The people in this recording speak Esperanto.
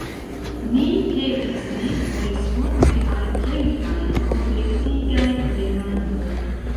Ni petis lin respondi al kelkaj kompletigaj demandoj.